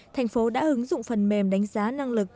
thành phố đã ứng dụng phần mềm đánh giá năng lực